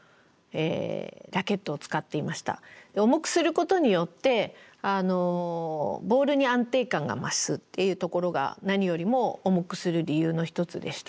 重くすることによってボールに安定感が増すっていうところが何よりも重くする理由の一つでした。